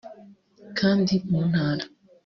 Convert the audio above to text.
kandi mu ntara